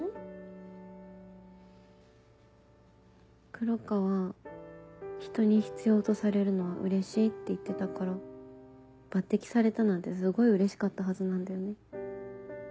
黒川ひとに必要とされるのはうれしいって言ってたから抜てきされたなんてすごいうれしかったはずなんだよね。